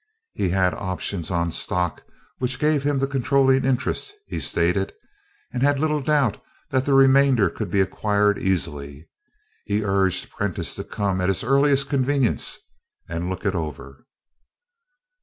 He had options on stock which gave him the controlling interest, he stated, and had little doubt that the remainder could be acquired easily. He urged Prentiss to come at his earliest convenience and look it over.